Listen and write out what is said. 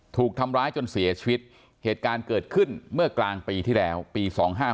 ถูกทำร้ายจนเสียชีวิตเหตุการณ์เกิดขึ้นเมื่อกลางปีที่แล้วปี๒๕๖